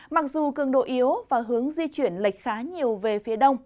mặc dù cường độ yếu và hướng di chuyển lệch khá nhiều về phía đông